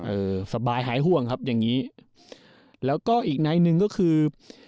เออเออสบายหายห่วงครับอย่างงี้แล้วก็อีกหน่อยนึงก็คือ